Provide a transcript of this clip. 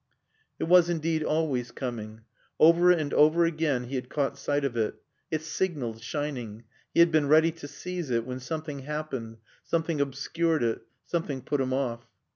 It was, indeed, always coming. Over and over again he had caught sight of it; it signaled, shining; he had been ready to seize it, when something happened, something obscured it, something put him off.